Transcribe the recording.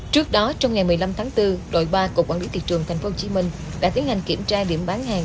trước đó trong ngày một mươi năm tháng bốn đội ba cục quản lý thị trường tp hcm đã tiến hành kiểm tra điểm bán hàng